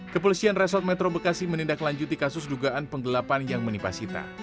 kepolisian resort metro bekasi menindaklanjuti kasus dugaan penggelapan yang menimpa sita